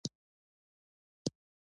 خپل قسمت صبر وکړه